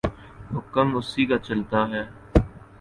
حکم اسی کا چلتاہے۔